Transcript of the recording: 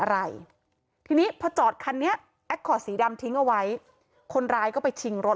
อะไรทีนี้พอจอดคันนี้แอคคอร์ดสีดำทิ้งเอาไว้คนร้ายก็ไปชิงรถ